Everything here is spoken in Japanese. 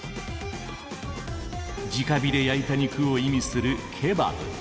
「直火で焼いた肉」を意味するケバブ。